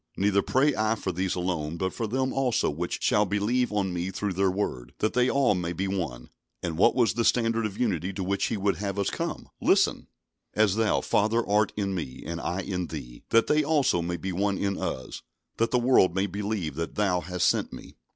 Neither pray I for these alone, but for them also which shall believe on Me through their word; that they all may be one." And what was the standard of unity to which He would have us come? Listen! "As Thou, Father, art in Me, and I in Thee; that they also may be one in Us; that the world may believe that Thou hast sent Me."